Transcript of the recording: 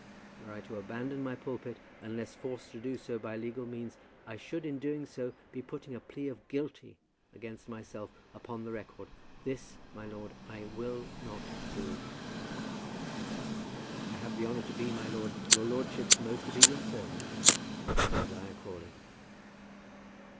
Were I to abandon my pulpit, unless forced to do so by legal means, I should in doing so be putting a plea of guilty against myself upon the record. This, my lord, I will not do. I have the honour to be, my lord, Your lordship's most obedient servant, JOSIAH CRAWLEY.